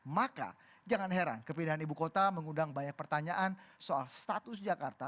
maka jangan heran kepindahan ibu kota mengundang banyak pertanyaan soal status jakarta